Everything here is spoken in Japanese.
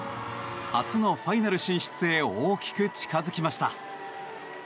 初のファイナル進出へ大きく近付きました。